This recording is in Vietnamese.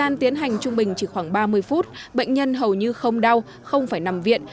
mình chỉ khoảng ba mươi phút bệnh nhân hầu như không đau không phải nằm viện